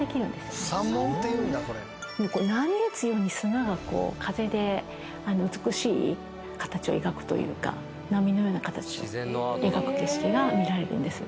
波打つように砂が風で美しい形を描くというか波のような形を描く景色が見られるんです。